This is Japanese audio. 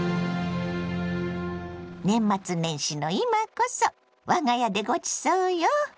年末年始の今こそ我が家でごちそうよ。